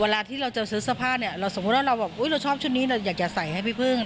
เวลาที่เราจะซื้อสภาพสมมุติว่าเราชอบชุดนี้เราอยากจะใส่ให้พี่พึ่ง